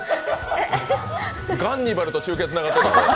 ガンニバルと中継つながってるかと。